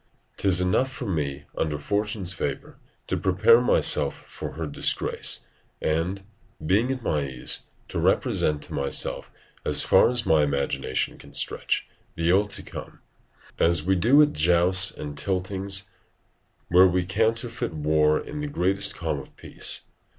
'Tis enough for me, under fortune's favour, to prepare myself for her disgrace, and, being at my ease, to represent to myself, as far as my imagination can stretch, the ill to come; as we do at jousts and tiltings, where we counterfeit war in the greatest calm of peace.